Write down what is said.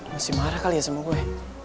masih marah kali ya sama gue